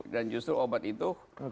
dan justru obat itu